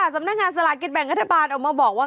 สำนักงานสลากินแบ่งรัฐบาลออกมาบอกว่า